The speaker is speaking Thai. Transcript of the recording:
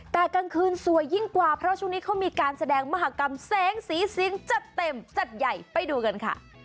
แต่กลางคืนสวยยิ่งกว่าเพราะช่วงนี้เขามีการแสดงมหากรรมแสงสีเสียงจัดเต็มจัดใหญ่ไปดูกันค่ะ